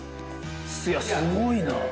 いやすごいな。